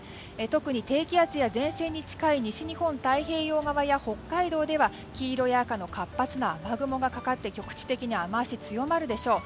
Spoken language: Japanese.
特に低気圧や前線に近い西日本太平洋側や北海道では黄色や赤の活発な雨雲がかかって局地的に雨脚が強まるでしょう。